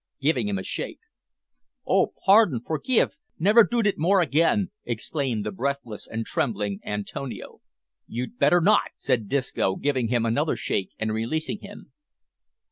giving him a shake. "Oh, pardon, forgif. Nevair doot more again," exclaimed the breathless and trembling Antonio. "You'd better not!" said Disco, giving him another shake and releasing him.